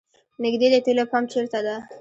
نیږدې د تیلو پمپ چېرته ده؟